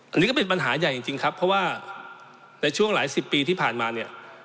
อันนี้ก็เป็นปัญหาใหญ่จริงครับเพราะว่าในช่วงหลายสิบปีที่ผ่านมาเนี่ย